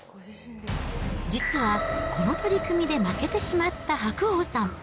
実は、この取組で負けてしまった白鵬さん。